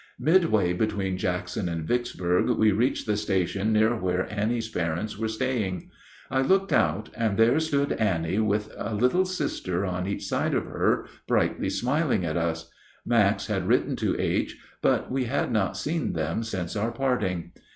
Midway between Jackson and Vicksburg we reached the station near where Annie's parents were staying. I looked out, and there stood Annie with a little sister on each side of her, brightly smiling at us. Max had written to H., but we had not seen them since our parting.